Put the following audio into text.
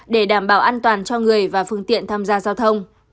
để đảm bảo an toàn cho người và phương tiện tham gia giao thông